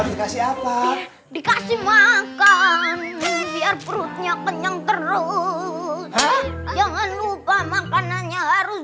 dikasih apa dikasih makan biar perutnya kenyang terus jangan lupa makanannya harus